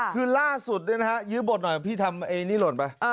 คือล่าสุดเนี่ยนะฮะยื้อบทหน่อยพี่ทำไอ้นี่หล่นไป